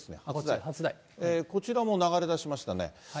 こちらも流れだしましたね。